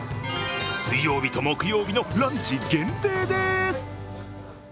水曜日と木曜日のランチ限定です。